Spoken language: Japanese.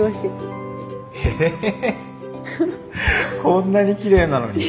こんなにきれいなのに。